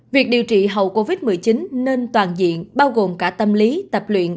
việc điều trị hậu covid một mươi chín nên toàn diện bao gồm cả tâm lý tập luyện